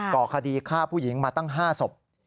ก่อคดีฆ่าผู้หญิงมาตั้ง๕ศพ